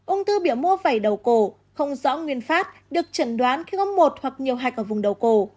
ung thư biểu mô vẩy đầu cổ không rõ nguyên phát được chẩn đoán khi có một hoặc nhiều hạch ở vùng đầu cổ